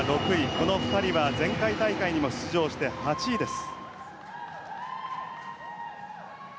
この２人は前回大会にも出場して、８位です。